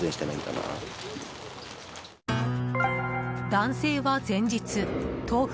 男性は前日豆腐